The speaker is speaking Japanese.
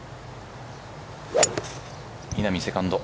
稲見、セカンド。